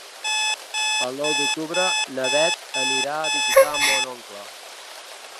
El nou d'octubre na Beth anirà a visitar mon oncle.